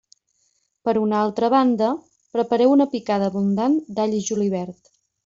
Per una altra banda, prepareu una picada abundant d'all i julivert.